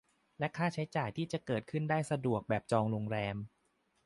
และค่าใช้จ่ายที่จะเกิดขึ้นได้สะดวกแบบจองโรงแรม